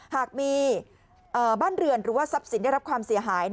หากมีบ้านเรือนหรือว่าทรัพย์สินได้รับความเสียหาย